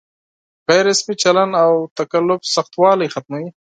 غیر رسمي چلن او تکلف سختوالی ختموي.